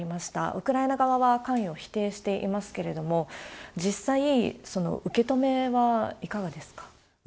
ウクライナ側は関与を否定していますけれども、実際、受け止めはいかがですか？